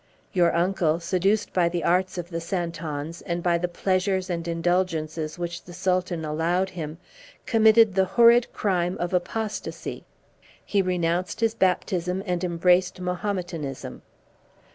Your uncle, seduced by the arts of the Santons, and by the pleasures and indulgences which the Sultan allowed him, committed the horrid crime of apostasy; he renounced his baptism, and embraced Mahometanism.